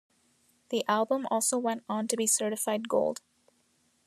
The album also went on to be certified gold.